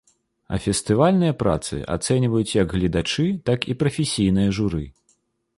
А фестывальныя працы ацэньваюць як гледачы, так і прафесійнае журы.